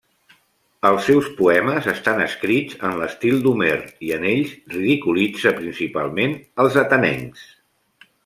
Els seus poemes estan escrits en l'estil d'Homer i en ells ridiculitza principalment als atenencs.